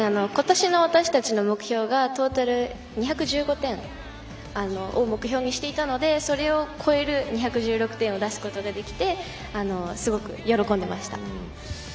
今年の私たちの目標がトータル２１５点を目標にしていたのでそれを超える２１６点を出すことができてすごく喜んでました。